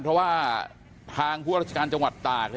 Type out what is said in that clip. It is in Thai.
เพราะว่าทางผู้ราชการจังหวัดตาก